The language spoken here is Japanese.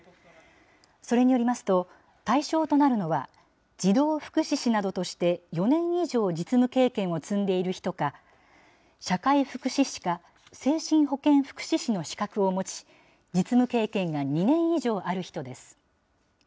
それによりますと、対象となるのは、児童福祉司などとして４年以上実務経験を積んでいる人か、社会福祉士か精神保健福祉士の資格を持ち、実務経験が２年以上ある人です。